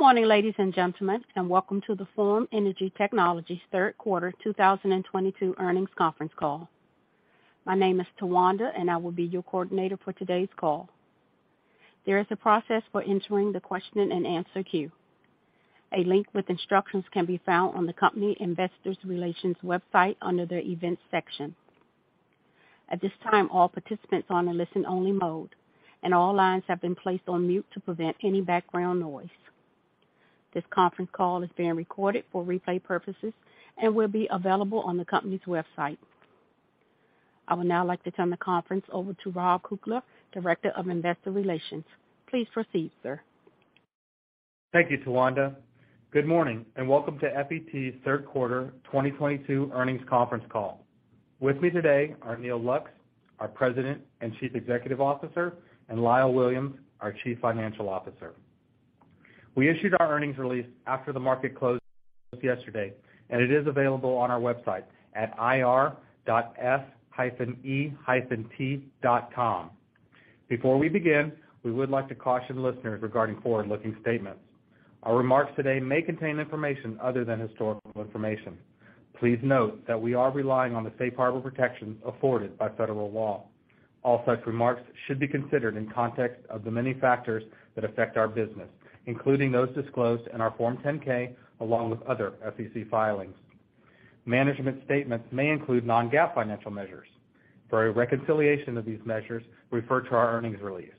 Good morning, ladies and gentlemen, and welcome to the Forum Energy Technologies Third Quarter 2022 Earnings Conference Call. My name is Tawanda, and I will be your coordinator for today's call. There is a process for entering the question-and-answer queue. A link with instructions can be found on the company's Investor Relations website under the Events section. At this time, all participants are on a listen-only mode, and all lines have been placed on mute to prevent any background noise. This conference call is being recorded for replay purposes and will be available on the company's website. I would now like to turn the conference over to Rob Kukla, Director of Investor Relations. Please proceed, sir. Thank you, Tawanda. Good morning, and welcome to FET's Third Quarter 2022 Earnings Conference Call. With me today are Neal Lux, our President and Chief Executive Officer, and Lyle Williams, our Chief Financial Officer. We issued our earnings release after the market closed yesterday, and it is available on our website at ir.f-e-t.com. Before we begin, we would like to caution listeners regarding forward-looking statements. Our remarks today may contain information other than historical information. Please note that we are relying on the safe harbor protections afforded by federal law. All such remarks should be considered in context of the many factors that affect our business, including those disclosed in our Form 10-K along with other SEC filings. Management statements may include non-GAAP financial measures. For a reconciliation of these measures, refer to our earnings release.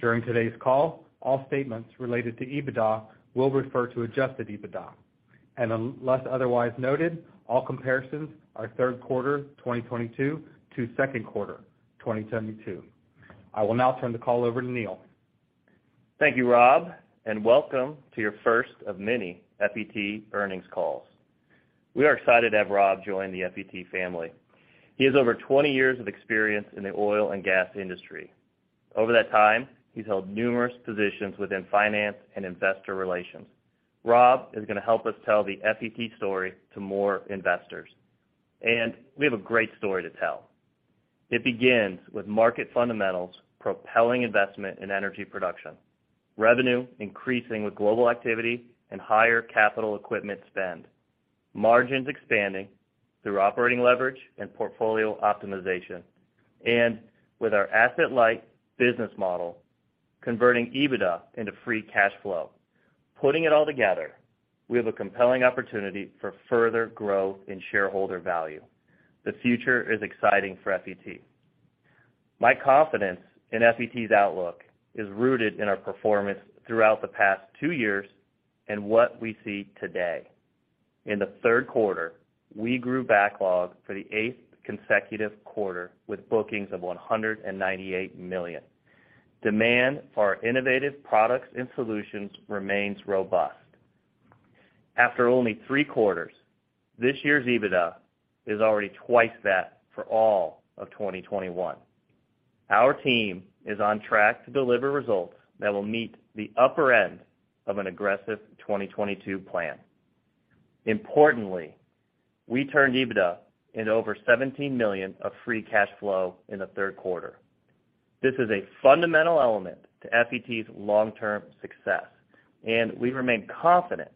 During today's call, all statements related to EBITDA will refer to adjusted EBITDA. Unless otherwise noted, all comparisons are Third Quarter 2022 to Second Quarter 2022. I will now turn the call over to Neal. Thank you, Rob, and welcome to your first of many FET earnings calls. We are excited to have Rob join the FET family. He has over 20 years of experience in the oil and gas industry. Over that time, he's held numerous positions within finance and investor relations. Rob is gonna help us tell the FET story to more investors, and we have a great story to tell. It begins with market fundamentals propelling investment in energy production, revenue increasing with global activity and higher capital equipment spend, margins expanding through operating leverage and portfolio optimization, and with our asset-light business model, converting EBITDA into free cash flow. Putting it all together, we have a compelling opportunity for further growth in shareholder value. The future is exciting for FET. My confidence in FET's outlook is rooted in our performance throughout the past two years and what we see today. In the third quarter, we grew backlog for the eighth consecutive quarter with bookings of $198 million. Demand for our innovative products and solutions remains robust. After only three quarters, this year's EBITDA is already twice that for all of 2021. Our team is on track to deliver results that will meet the upper end of an aggressive 2022 plan. Importantly, we turned EBITDA into over $17 million of free cash flow in the third quarter. This is a fundamental element to FET's long-term success, and we remain confident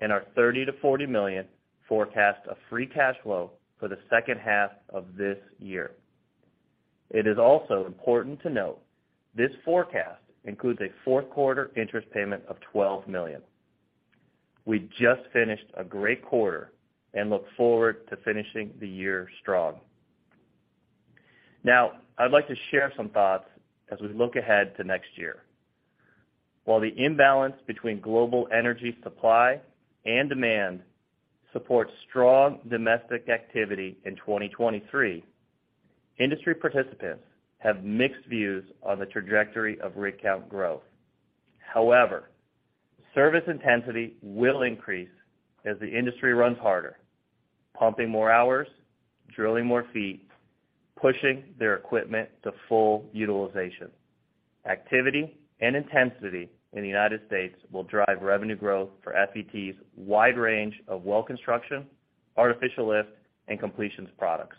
in our $30-$40 million forecast of free cash flow for the second half of this year. It is also important to note this forecast includes a fourth quarter interest payment of $12 million. We just finished a great quarter and look forward to finishing the year strong. Now, I'd like to share some thoughts as we look ahead to next year. While the imbalance between global energy supply and demand supports strong domestic activity in 2023, industry participants have mixed views on the trajectory of rig count growth. However, service intensity will increase as the industry runs harder, pumping more hours, drilling more feet, pushing their equipment to full utilization. Activity and intensity in the United States will drive revenue growth for FET's wide range of well construction, artificial lift, and completions products.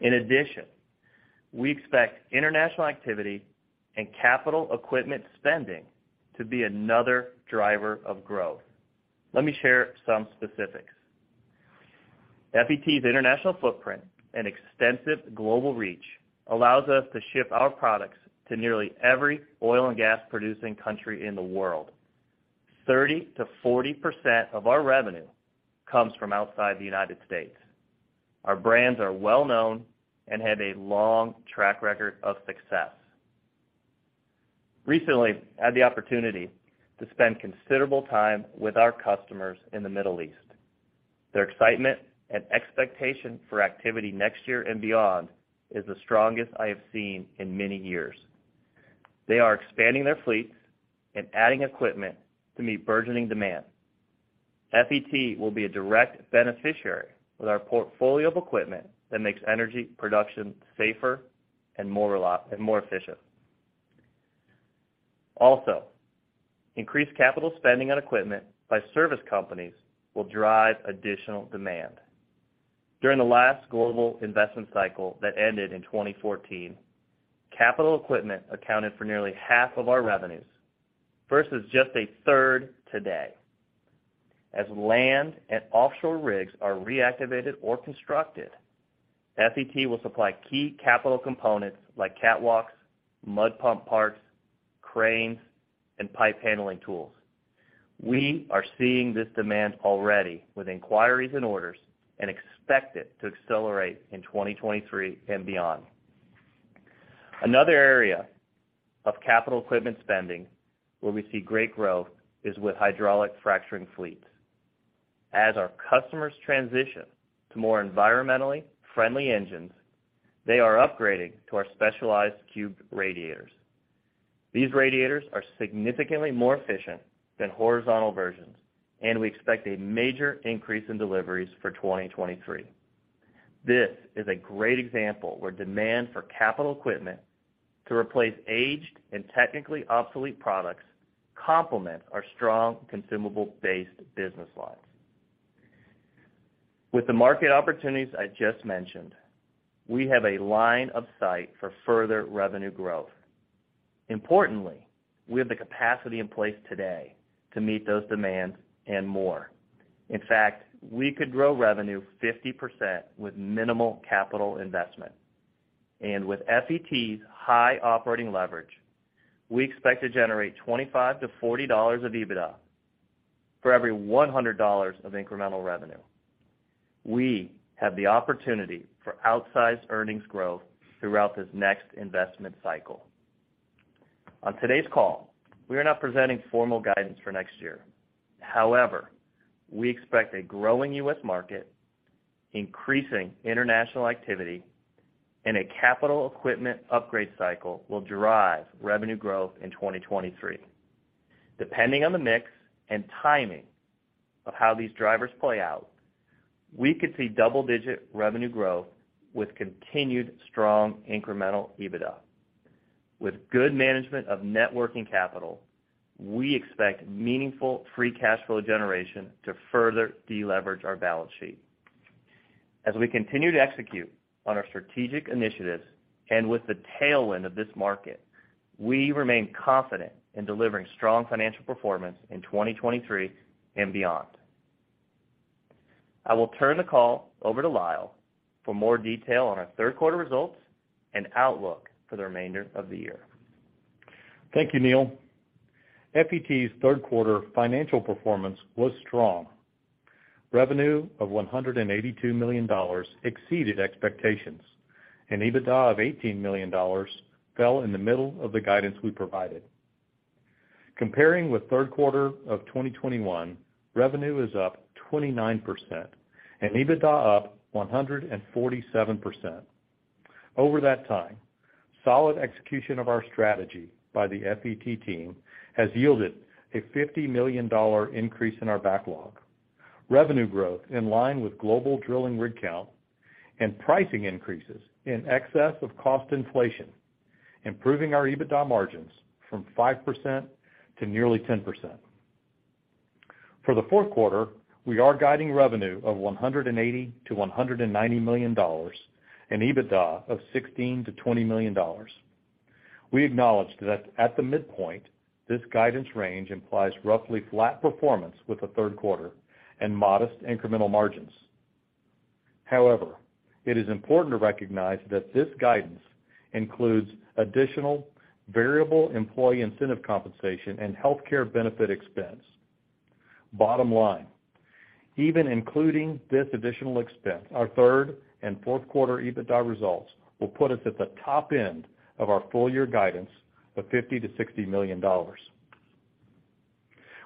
In addition, we expect international activity and capital equipment spending to be another driver of growth. Let me share some specifics. FET's international footprint and extensive global reach allows us to ship our products to nearly every oil and gas producing country in the world. 30%-40% of our revenue comes from outside the United States. Our brands are well-known and have a long track record of success. Recently, I had the opportunity to spend considerable time with our customers in the Middle East. Their excitement and expectation for activity next year and beyond is the strongest I have seen in many years. They are expanding their fleets and adding equipment to meet burgeoning demand. FET will be a direct beneficiary with our portfolio of equipment that makes energy production safer and more efficient. Also, increased capital spending on equipment by service companies will drive additional demand. During the last global investment cycle that ended in 2014, capital equipment accounted for nearly half of our revenues, versus just a third today. As land and offshore rigs are reactivated or constructed, FET will supply key capital components like catwalks, mud pump parts, cranes, and pipe handling tools. We are seeing this demand already with inquiries and orders, and expect it to accelerate in 2023 and beyond. Another area of capital equipment spending where we see great growth is with hydraulic fracturing fleets. As our customers transition to more environmentally friendly engines, they are upgrading to our specialized Cube Radiators. These radiators are significantly more efficient than horizontal versions, and we expect a major increase in deliveries for 2023. This is a great example where demand for capital equipment to replace aged and technically obsolete products complement our strong consumable-based business lines. With the market opportunities I just mentioned, we have a line of sight for further revenue growth. Importantly, we have the capacity in place today to meet those demands and more. In fact, we could grow revenue 50% with minimal capital investment. With FET's high operating leverage, we expect to generate $25-$40 of EBITDA for every $100 of incremental revenue. We have the opportunity for outsized earnings growth throughout this next investment cycle. On today's call, we are not presenting formal guidance for next year. However, we expect a growing U.S. market, increasing international activity, and a capital equipment upgrade cycle will drive revenue growth in 2023. Depending on the mix and timing of how these drivers play out, we could see double-digit revenue growth with continued strong incremental EBITDA. With good management of net working capital, we expect meaningful free cash flow generation to further deleverage our balance sheet. As we continue to execute on our strategic initiatives, and with the tailwind of this market, we remain confident in delivering strong financial performance in 2023 and beyond. I will turn the call over to Lyle for more detail on our third quarter results and outlook for the remainder of the year. Thank you, Neal. FET's third quarter financial performance was strong. Revenue of $182 million exceeded expectations, and EBITDA of $18 million fell in the middle of the guidance we provided. Comparing with third quarter of 2021, revenue is up 29% and EBITDA up 147%. Over that time, solid execution of our strategy by the FET team has yielded a $50 million increase in our backlog, revenue growth in line with global drilling rig count, and pricing increases in excess of cost inflation, improving our EBITDA margins from 5% to nearly 10%. For the fourth quarter, we are guiding revenue of $180-$190 million and EBITDA of $16-$20 million. We acknowledge that at the midpoint, this guidance range implies roughly flat performance with the third quarter and modest incremental margins. However, it is important to recognize that this guidance includes additional variable employee incentive compensation and healthcare benefit expense. Bottom line, even including this additional expense, our third and fourth quarter EBITDA results will put us at the top end of our full year guidance of $50-$60 million.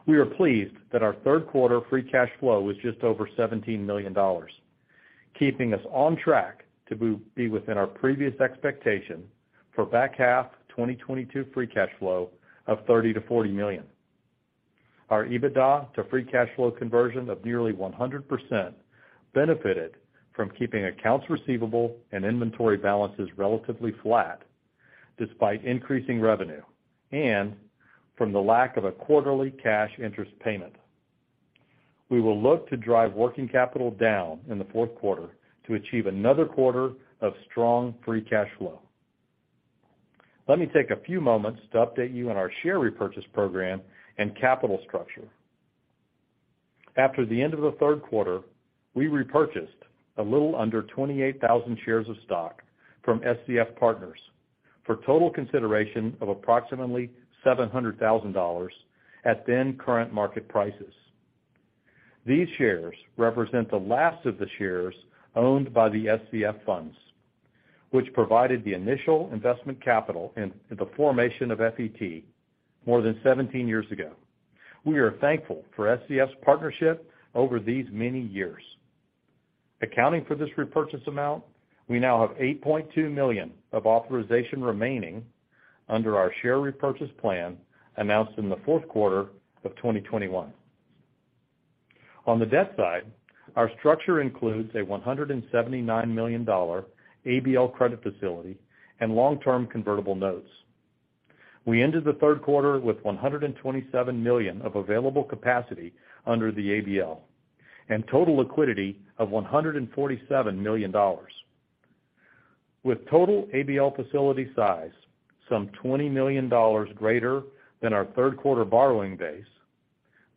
We are pleased that our third quarter free cash flow was just over $17 million, keeping us on track to be within our previous expectation for back half 2022 free cash flow of $30-$40 million. Our EBITDA to free cash flow conversion of nearly 100% benefited from keeping accounts receivable and inventory balances relatively flat despite increasing revenue and from the lack of a quarterly cash interest payment. We will look to drive working capital down in the fourth quarter to achieve another quarter of strong free cash flow. Let me take a few moments to update you on our share repurchase program and capital structure. After the end of the third quarter, we repurchased a little under 28,000 shares of stock from SCF Partners for total consideration of approximately $700,000 at then current market prices. These shares represent the last of the shares owned by the SCF funds, which provided the initial investment capital in the formation of FET more than 17 years ago. We are thankful for SCF's partnership over these many years. Accounting for this repurchase amount, we now have $8.2 million of authorization remaining under our share repurchase plan announced in the fourth quarter of 2021. On the debt side, our structure includes a $179 million ABL credit facility and long-term convertible notes. We ended the third quarter with $127 million of available capacity under the ABL and total liquidity of $147 million. With total ABL facility size some $20 million greater than our third quarter borrowing base,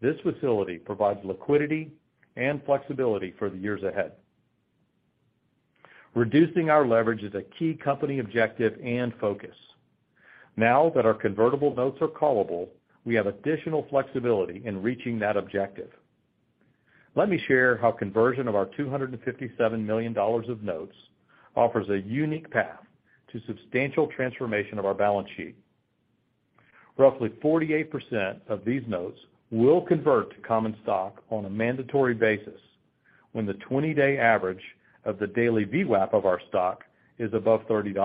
this facility provides liquidity and flexibility for the years ahead. Reducing our leverage is a key company objective and focus. Now that our convertible notes are callable, we have additional flexibility in reaching that objective. Let me share how conversion of our $257 million of notes offers a unique path to substantial transformation of our balance sheet. Roughly 48% of these notes will convert to common stock on a mandatory basis when the 20-day average of the daily VWAP of our stock is above $30.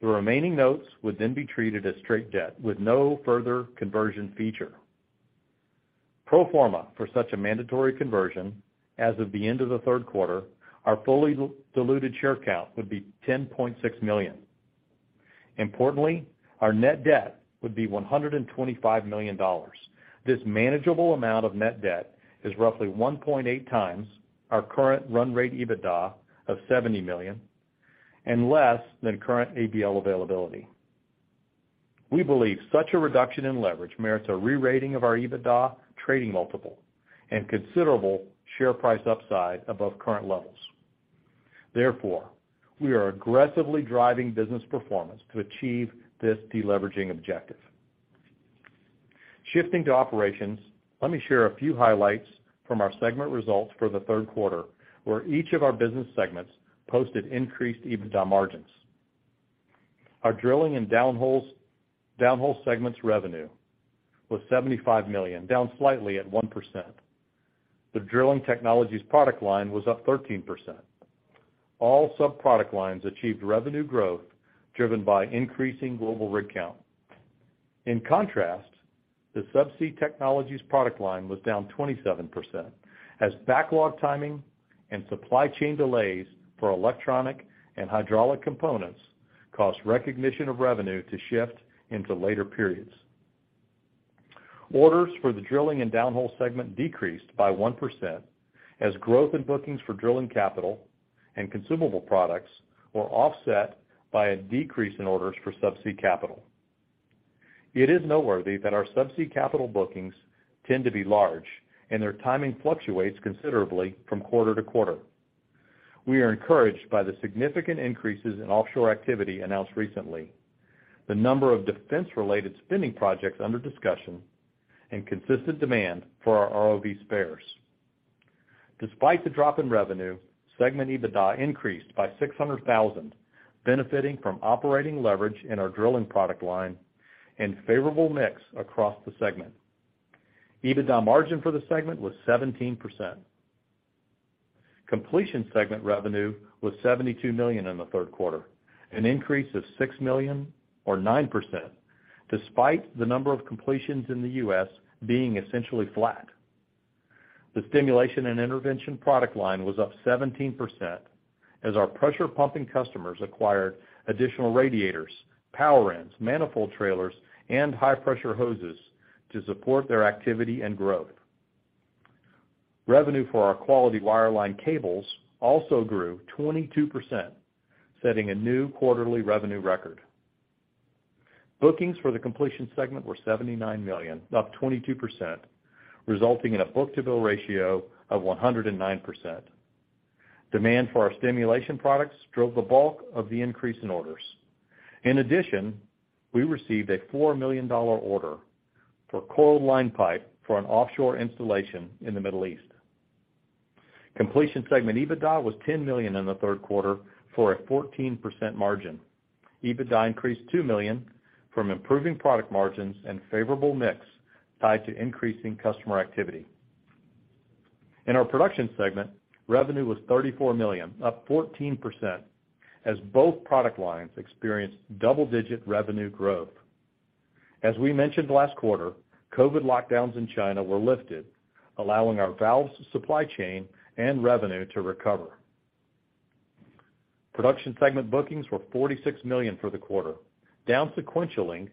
The remaining notes would then be treated as straight debt with no further conversion feature. Pro forma for such a mandatory conversion as of the end of the third quarter, our fully diluted share count would be 10.6 million. Importantly, our net debt would be $125 million. This manageable amount of net debt is roughly 1.8 times our current run rate EBITDA of $70 million and less than current ABL availability. We believe such a reduction in leverage merits a re-rating of our EBITDA trading multiple and considerable share price upside above current levels. Therefore, we are aggressively driving business performance to achieve this deleveraging objective. Shifting to operations, let me share a few highlights from our segment results for the third quarter, where each of our business segments posted increased EBITDA margins. Our drilling and downhole segments revenue was $75 million, down slightly at 1%. The drilling technologies product line was up 13%. All sub-product lines achieved revenue growth driven by increasing global rig count. In contrast, the subsea technologies product line was down 27% as backlog timing and supply chain delays for electronic and hydraulic components caused recognition of revenue to shift into later periods. Orders for the drilling and downhole segment decreased by 1% as growth in bookings for drilling capital and consumable products were offset by a decrease in orders for subsea capital. It is noteworthy that our subsea capital bookings tend to be large, and their timing fluctuates considerably from quarter to quarter. We are encouraged by the significant increases in offshore activity announced recently, the number of defense-related spending projects under discussion and consistent demand for our ROV spares. Despite the drop in revenue, segment EBITDA increased by $600,000, benefiting from operating leverage in our drilling product line and favorable mix across the segment. EBITDA margin for the segment was 17%. Completion segment revenue was $72 million in the third quarter, an increase of $6 million or 9% despite the number of completions in the U.S. being essentially flat. The stimulation and intervention product line was up 17% as our pressure pumping customers acquired additional radiators, power ends, manifold trailers, and high-pressure hoses to support their activity and growth. Revenue for our quality wireline cables also grew 22%, setting a new quarterly revenue record. Bookings for the completion segment were $79 million, up 22%, resulting in a book-to-bill ratio of 109%. Demand for our stimulation products drove the bulk of the increase in orders. In addition, we received a $4 million order for coiled line pipe for an offshore installation in the Middle East. Completion segment EBITDA was $10 million in the third quarter for a 14% margin. EBITDA increased $2 million from improving product margins and favorable mix tied to increasing customer activity. In our production segment, revenue was $34 million, up 14%, as both product lines experienced double-digit revenue growth. As we mentioned last quarter, COVID lockdowns in China were lifted, allowing our valves supply chain and revenue to recover. Production segment bookings were $46 million for the quarter, down sequentially,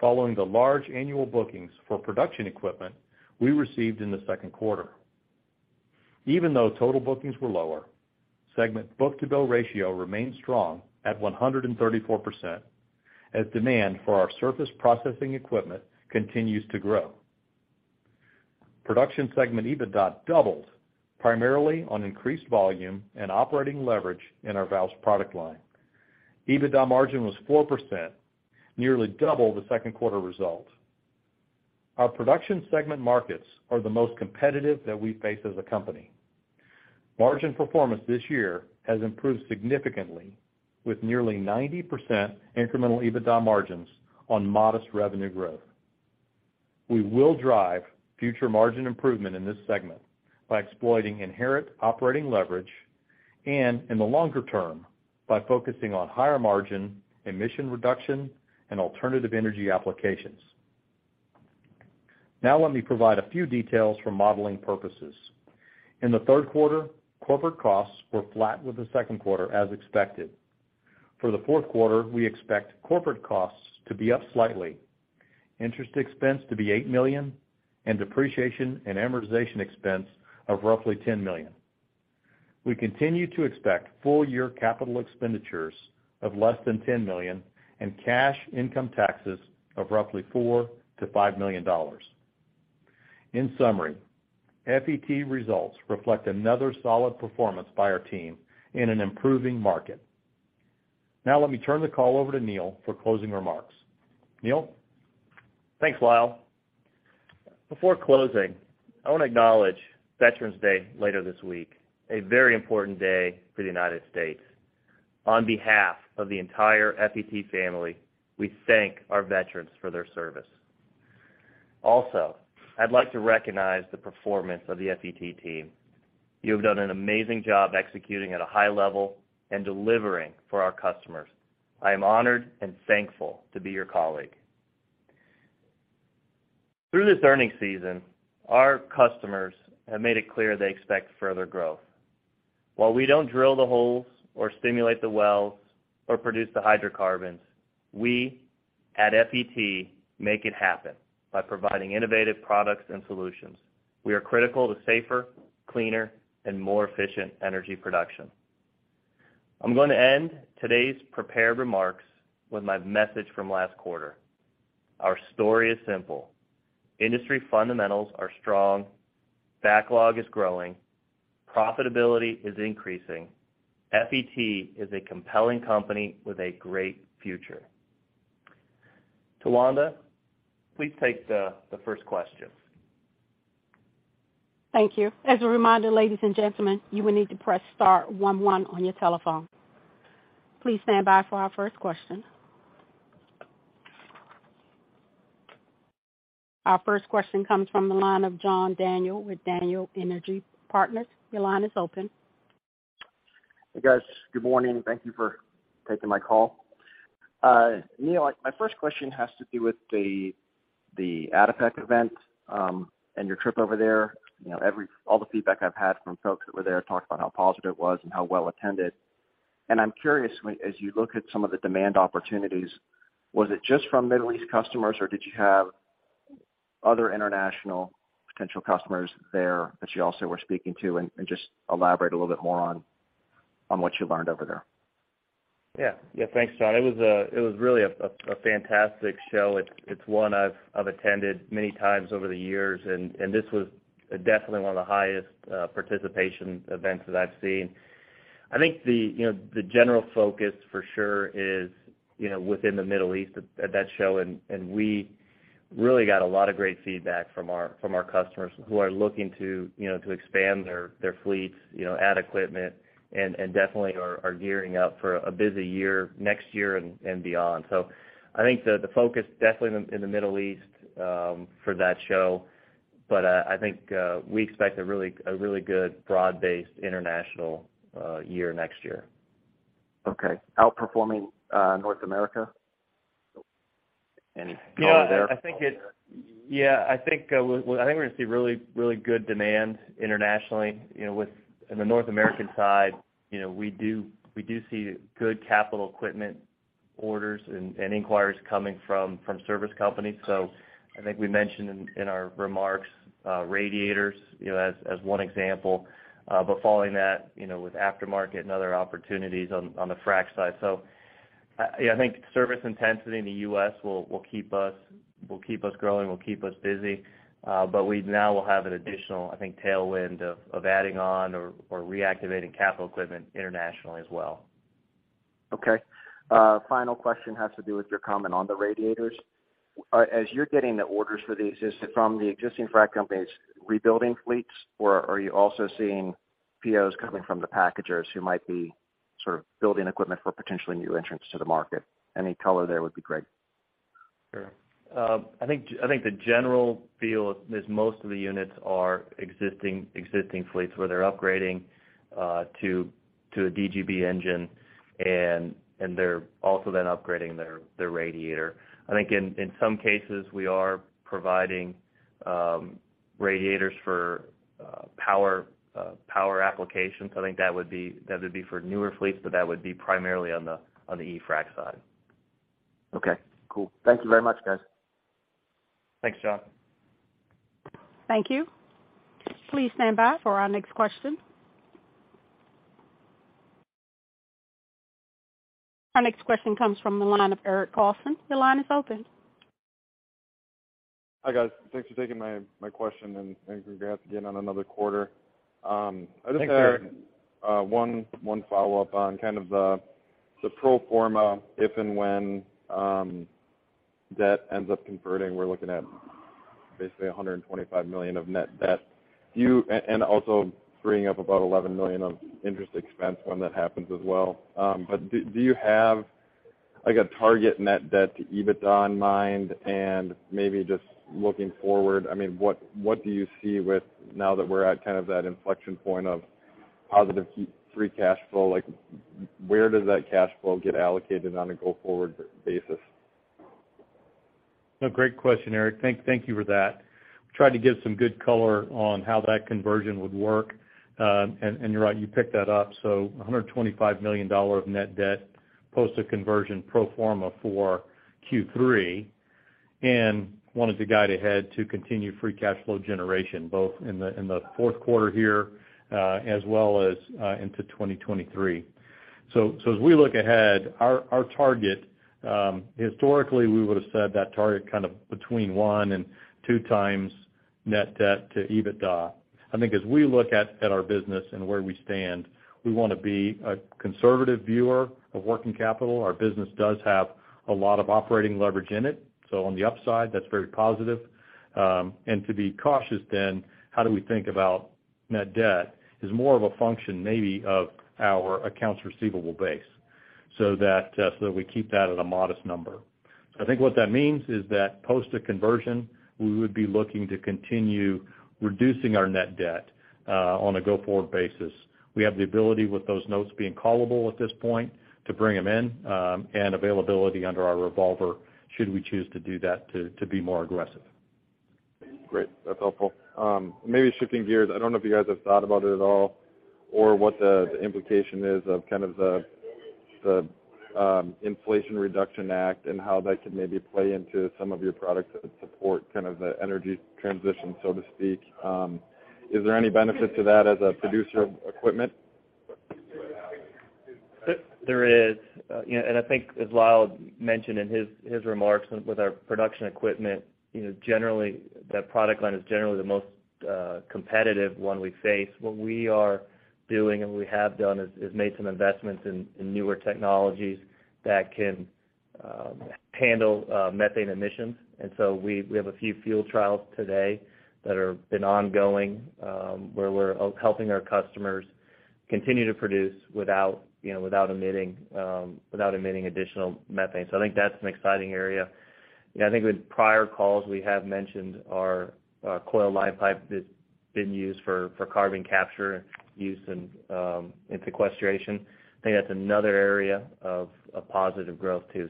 following the large annual bookings for production equipment we received in the second quarter. Even though total bookings were lower, segment book-to-bill ratio remained strong at 134% as demand for our surface processing equipment continues to grow. Production segment EBITDA doubled primarily on increased volume and operating leverage in our valves product line. EBITDA margin was 4%, nearly double the second quarter result. Our production segment markets are the most competitive that we face as a company. Margin performance this year has improved significantly with nearly 90% incremental EBITDA margins on modest revenue growth. We will drive future margin improvement in this segment by exploiting inherent operating leverage and, in the longer term, by focusing on higher margin emission reduction and alternative energy applications. Now let me provide a few details for modeling purposes. In the third quarter, corporate costs were flat with the second quarter as expected. For the fourth quarter, we expect corporate costs to be up slightly, interest expense to be $8 million, and depreciation and amortization expense of roughly $10 million. We continue to expect full year capital expenditures of less than $10 million and cash income taxes of roughly $4 million-$5 million. In summary, FET results reflect another solid performance by our team in an improving market. Now let me turn the call over to Neal for closing remarks. Neal? Thanks, Lyle. Before closing, I want to acknowledge Veterans Day later this week, a very important day for the United States. On behalf of the entire FET family, we thank our veterans for their service. Also, I'd like to recognize the performance of the FET team. You have done an amazing job executing at a high level and delivering for our customers. I am honored and thankful to be your colleague. Through this earnings season, our customers have made it clear they expect further growth. While we don't drill the holes or stimulate the wells or produce the hydrocarbons, we at FET make it happen by providing innovative products and solutions. We are critical to safer, cleaner, and more efficient energy production. I'm gonna end today's prepared remarks with my message from last quarter. Our story is simple. Industry fundamentals are strong, backlog is growing, profitability is increasing. FET is a compelling company with a great future. Tawanda, please take the first question. Thank you. As a reminder, ladies and gentlemen, you will need to press star one one on your telephone. Please stand by for our first question. Our first question comes from the line of John Daniel with Daniel Energy Partners. Your line is open. Hey, guys. Good morning. Thank you for taking my call. Neal, my first question has to do with the ADIPEC event, and your trip over there. You know, all the feedback I've had from folks that were there talked about how positive it was and how well attended, and I'm curious, as you look at some of the demand opportunities, was it just from Middle East customers, or did you have other international potential customers there that you also were speaking to? Just elaborate a little bit more on what you learned over there. Yeah. Yeah. Thanks, John. It was really a fantastic show. It's one I've attended many times over the years and this was definitely one of the highest participation events that I've seen. I think the general focus for sure is you know within the Middle East at that show, and we really got a lot of great feedback from our customers who are looking to you know to expand their fleets you know add equipment and definitely are gearing up for a busy year next year and beyond. I think the focus definitely in the Middle East for that show, but I think we expect a really good broad-based international year next year. Okay. Outperforming, North America? Any color there? Yeah. I think we're gonna see really good demand internationally. You know, in the North American side, you know, we do see good capital equipment orders and inquiries coming from service companies. I think we mentioned in our remarks, radiators, you know, as one example, but following that, you know, with aftermarket and other opportunities on the frac side. Yeah, I think service intensity in the U.S. will keep us growing, will keep us busy, but we now will have an additional, I think, tailwind of adding on or reactivating capital equipment internationally as well. Okay. Final question has to do with your comment on the radiators. As you're getting the orders for these, is it from the existing frac companies rebuilding fleets, or are you also seeing POs coming from the packagers who might be sort of building equipment for potentially new entrants to the market? Any color there would be great. Sure. I think the general feel is most of the units are existing fleets where they're upgrading to a DGB engine and they're also then upgrading their radiator. I think in some cases, we are providing radiators for power applications. I think that would be for newer fleets, but that would be primarily on the e-frac side. Okay, cool. Thank you very much, guys. Thanks, John. Thank you. Please stand by for our next question. Our next question comes from the line of Eric Carlson. Your line is open. Hi, guys. Thanks for taking my question, and thanks, congrats again on another quarter. Thanks, Eric. I just had one follow-up on kind of the pro forma if and when debt ends up converting, we're looking at basically $125 million of net debt. And also freeing up about $11 million of interest expense when that happens as well. But do you have like a target net debt to EBITDA in mind? Maybe just looking forward, what do you see, now that we're at kind of that inflection point of Positive free cash flow, like, where does that cash flow get allocated on a go-forward basis? No, great question, Eric. Thank you for that. We tried to give some good color on how that conversion would work. You're right, you picked that up. $125 million of net debt post a conversion pro forma for Q3. Wanted to guide ahead to continue free cash flow generation, both in the fourth quarter here, as well as into 2023. As we look ahead, our target, historically, we would've said that target kind of between 1 and 2 times net debt to EBITDA. I think as we look at our business and where we stand, we wanna be a conservative viewer of working capital. Our business does have a lot of operating leverage in it. On the upside, that's very positive. To be cautious then, how do we think about net debt is more of a function maybe of our accounts receivable base so that, so that we keep that at a modest number. I think what that means is that post a conversion, we would be looking to continue reducing our net debt, on a go-forward basis. We have the ability with those notes being callable at this point to bring them in, and availability under our revolver should we choose to do that to be more aggressive. Great. That's helpful. Maybe shifting gears, I don't know if you guys have thought about it at all or what the implication is of kind of the Inflation Reduction Act and how that could maybe play into some of your products that support kind of the energy transition, so to speak. Is there any benefit to that as a producer of equipment? There is. You know, I think as Lyle mentioned in his remarks with our production equipment, you know, generally, that product line is generally the most competitive one we face. What we are doing, and we have done, is made some investments in newer technologies that can handle methane emissions. We have a few field trials today that have been ongoing, where we're helping our customers continue to produce without, you know, without emitting additional methane. I think that's an exciting area. You know, I think with prior calls, we have mentioned our coiled line pipe that's been used for carbon capture and sequestration. I think that's another area of positive growth too.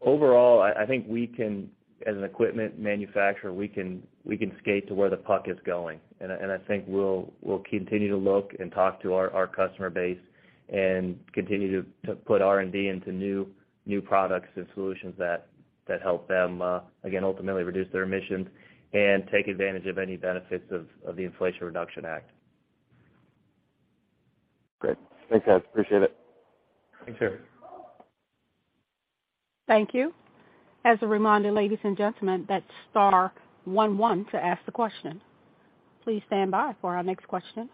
Overall, I think we can, as an equipment manufacturer, skate to where the puck is going. I think we'll continue to look and talk to our customer base and continue to put R&D into new products and solutions that help them, again, ultimately reduce their emissions and take advantage of any benefits of the Inflation Reduction Act. Great. Thanks, guys. Appreciate it. Thanks, Eric. Thank you. As a reminder, ladies and gentlemen, that's star one one to ask the question. Please stand by for our next question.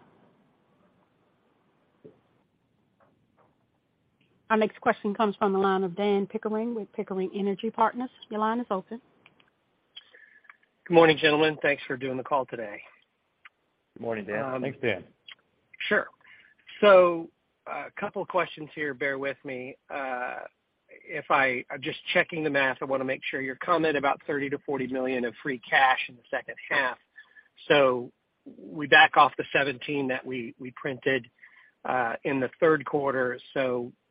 Our next question comes from the line of Dan Pickering with Pickering Energy Partners. Your line is open. Good morning, gentlemen. Thanks for doing the call today. Good morning, Dan. Thanks, Dan. Sure. A couple questions here. Bear with me. I'm just checking the math. I want to make sure your comment about $30 million-$40 million of free cash in the second half. We back off the 17 that we printed in the third quarter.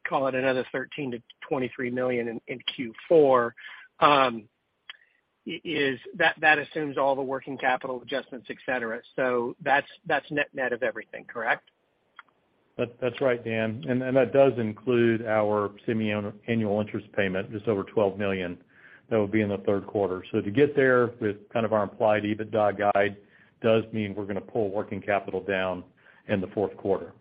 Call it another $13 million-$23 million in Q4. That assumes all the working capital adjustments, et cetera. That's net-net of everything, correct? That's right, Dan. That does include our semi-annual interest payment, just over $12 million. That would be in the third quarter. To get there with kind of our implied EBITDA guide does mean we're gonna pull working capital down in the fourth quarter.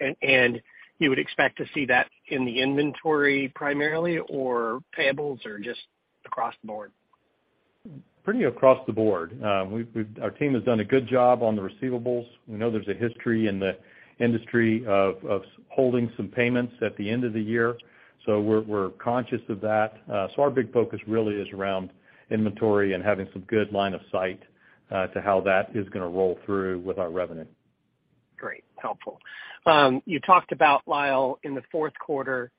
Okay. Got it. You would expect to see that in the inventory primarily, or payables or just across the board? Pretty across the board. Our team has done a good job on the receivables. We know there's a history in the industry of holding some payments at the end of the year. We're conscious of that. Our big focus really is around inventory and having some good line of sight to how that is gonna roll through with our revenue. Great. Helpful. You talked about, Lyle, in the fourth quarter,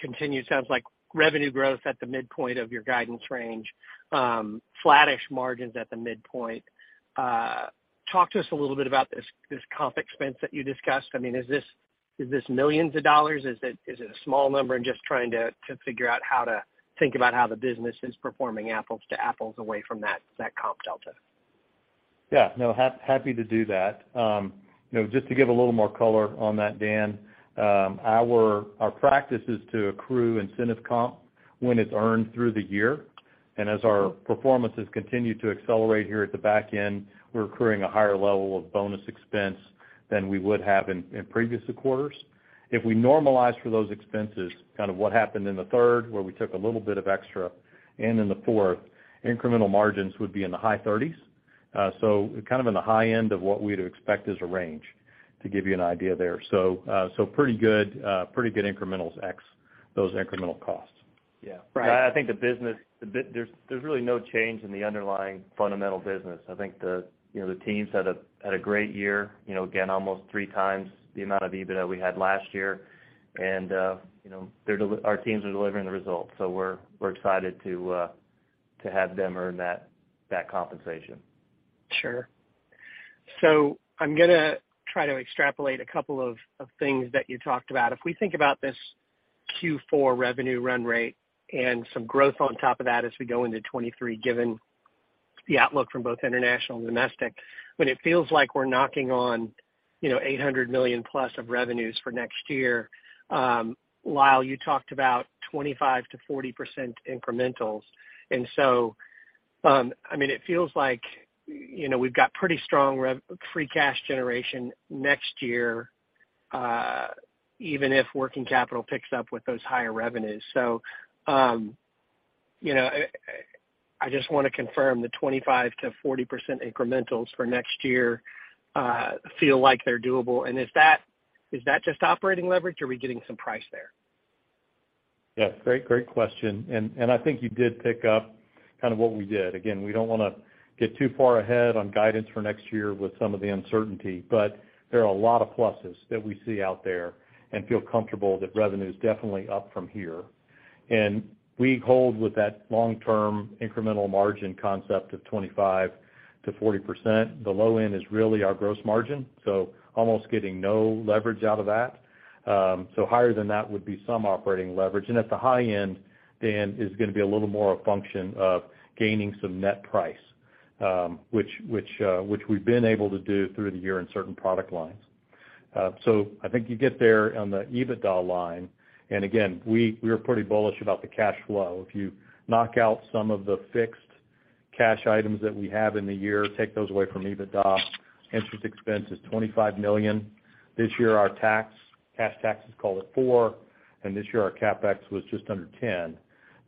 continued, sounds like revenue growth at the midpoint of your guidance range, flattish margins at the midpoint. Talk to us a little bit about this comp expense that you discussed. I mean, is this millions of dollars? Is it a small number? Just trying to figure out how to think about how the business is performing apples to apples away from that comp delta. Yeah. No, happy to do that. You know, just to give a little more color on that, Dan, our practice is to accrue incentive comp when it's earned through the year. As our performances continue to accelerate here at the back end, we're accruing a higher level of bonus expense than we would have in previous quarters. If we normalize for those expenses, kind of what happened in the third, where we took a little bit of extra and in the fourth, incremental margins would be in the high 30s%. Kind of in the high end of what we'd expect as a range to give you an idea there. Pretty good incrementals ex those incremental costs. Yeah. Right. I think the business, there's really no change in the underlying fundamental business. I think, you know, the teams had a great year. You know, again, almost three times the amount of EBITDA we had last year. You know, they're our teams are delivering the results. We're excited to have them earn that compensation. Sure. I'm gonna try to extrapolate a couple of things that you talked about. If we think about this Q4 revenue run rate and some growth on top of that as we go into 2023, given the outlook from both international and domestic, it feels like we're knocking on $800 million+ of revenues for next year. Lyle, you talked about 25%-40% incrementals. I mean, it feels like we've got pretty strong free cash generation next year, even if working capital picks up with those higher revenues. I just wanna confirm the 25%-40% incrementals for next year feel like they're doable. And is that just operating leverage, or are we getting some price there? Yes. Great, great question. I think you did pick up kind of what we did. Again, we don't wanna get too far ahead on guidance for next year with some of the uncertainty, but there are a lot of pluses that we see out there and feel comfortable that revenue is definitely up from here. We hold with that long-term incremental margin concept of 25%-40%. The low end is really our gross margin, so almost getting no leverage out of that. Higher than that would be some operating leverage. At the high end, Dan, is gonna be a little more a function of gaining some net price, which we've been able to do through the year in certain product lines. I think you get there on the EBITDA line. Again, we're pretty bullish about the cash flow. If you knock out some of the fixed cash items that we have in the year, take those away from EBITDA, interest expense is $25 million. This year, our cash tax is, call it $4 million, and this year, our CapEx was just under 10.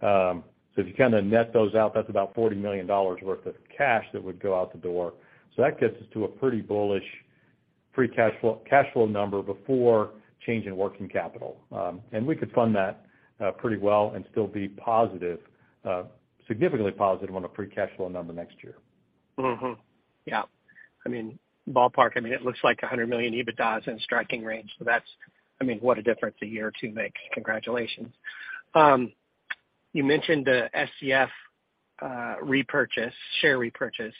So if you kinda net those out, that's about $40 million worth of cash that would go out the door. That gets us to a pretty bullish free cash flow, cash flow number before change in working capital. We could fund that pretty well and still be positive, significantly positive on a free cash flow number next year. Yeah. I mean, ballpark, I mean, it looks like $100 million EBITDA in striking range. That's what a difference a year or two make. Congratulations. You mentioned the SCF repurchase, share repurchase.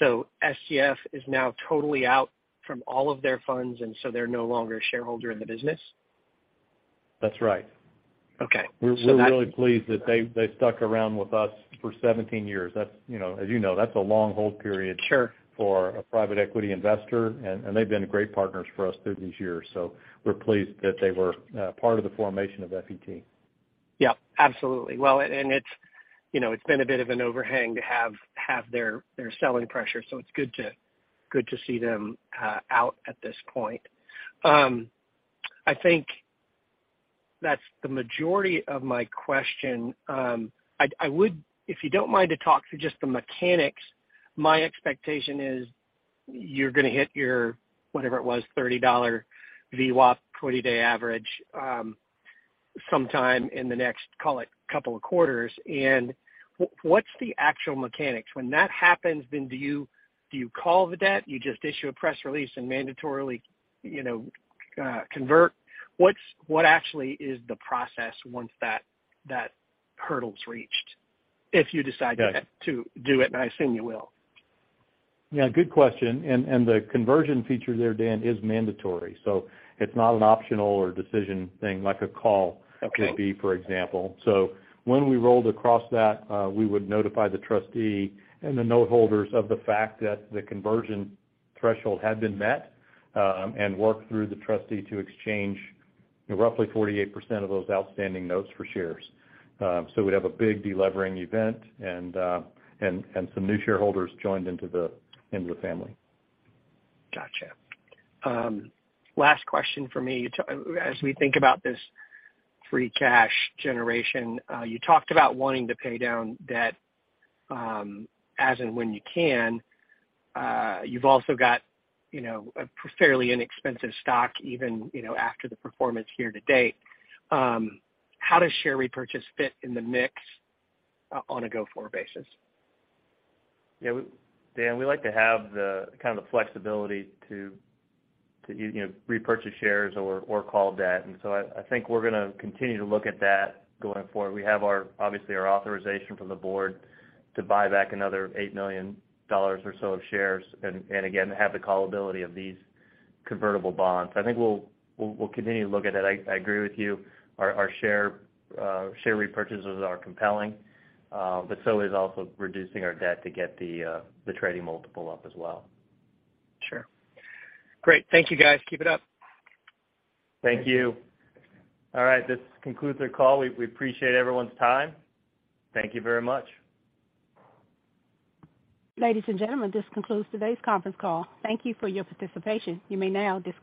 SCF is now totally out from all of their funds, and they're no longer a shareholder in the business? That's right. Okay. We're really pleased that they stuck around with us for 17 years. That's, you know, a long hold period. Sure for a private equity investor, and they've been great partners for us through these years. We're pleased that they were part of the formation of FET. Yeah, absolutely. Well, it's, you know, it's been a bit of an overhang to have their selling pressure, so it's good to see them out at this point. I think that's the majority of my question. If you don't mind to talk through just the mechanics, my expectation is you're gonna hit your, whatever it was, $30 VWAP twenty-day average, sometime in the next, call it, couple of quarters. What's the actual mechanics? When that happens, then do you call the debt? You just issue a press release and mandatorily, you know, convert? What actually is the process once that hurdle's reached, if you decide to- Got it. to do it, and I assume you will. Yeah, good question. The conversion feature there, Dan, is mandatory. It's not an optional or decision thing like a call. Okay Could be, for example. When we rolled across that, we would notify the trustee and the note holders of the fact that the conversion threshold had been met, and work through the trustee to exchange roughly 48% of those outstanding notes for shares. We'd have a big de-levering event and some new shareholders joined into the family. Gotcha. Last question for me. As we think about this free cash generation, you talked about wanting to pay down debt, as and when you can. You've also got, you know, a fairly inexpensive stock even, you know, after the performance here to date. How does share repurchase fit in the mix on a go-forward basis? Yeah. Dan, we like to have the kind of the flexibility to you know, repurchase shares or call debt. I think we're gonna continue to look at that going forward. We have our, obviously, our authorization from the board to buy back another $8 million or so of shares and again, have the callability of these convertible bonds. I think we'll continue to look at it. I agree with you. Our share repurchases are compelling, but so is also reducing our debt to get the trading multiple up as well. Sure. Great. Thank you, guys. Keep it up. Thank you. All right, this concludes our call. We appreciate everyone's time. Thank you very much. Ladies and gentlemen, this concludes today's conference call. Thank you for your participation. You may now disconnect.